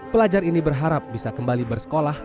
pelajar ini berharap bisa kembali bersekolah